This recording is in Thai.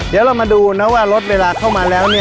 เดี๋ยวเรามาดูนะว่ารถเวลาเข้ามาแล้ว